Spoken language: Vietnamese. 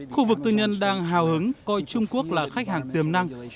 khu vực tư nhân đang hào hứng coi trung quốc là khách hàng tiềm năng